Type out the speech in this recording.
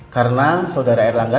karena saudara erlangga